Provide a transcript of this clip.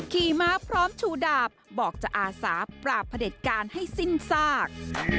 ขี่ม้าพร้อมชูดาบบอกจะอาสาปราบพระเด็จการให้สิ้นซาก